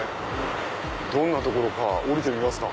どんな所か降りてみますか。